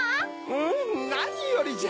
うむなによりじゃ。